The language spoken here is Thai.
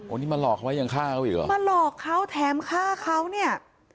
นี่มาหลอกเขาไว้ยังฆ่าเขาอีกเหรอมาหลอกเขาแถมฆ่าเขาเนี่ย